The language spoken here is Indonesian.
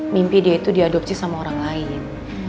mimpi dia itu diadopsi sama orang lain